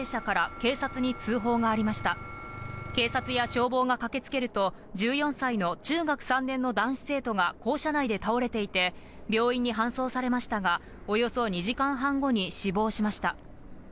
警察や消防が駆けつけると、１４歳の中学３年の男子生徒が校舎内で倒れていて、病院に搬送されましたが、およそ２時間半後に死亡しました。